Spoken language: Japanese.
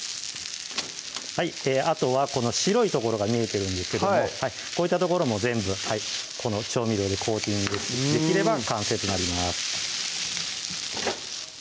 あとはこの白い所が見えてるんですけどもこういった所も全部この調味料でコーティングできれば完成となります